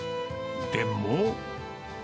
でも。